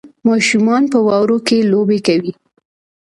ماشومان په واورو کې لوبې کوي